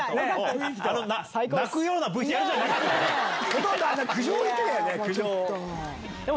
ほとんど苦情言ってたよね。